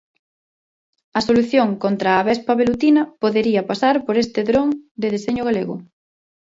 A solución contra a vespa velutina podería pasar por este dron de deseño galego.